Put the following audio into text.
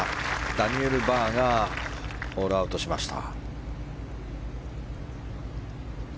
ダニエル・バーガーホールアウトしました。